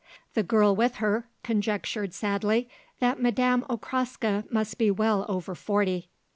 The girl with her conjectured sadly that Madame Okraska must be well over forty.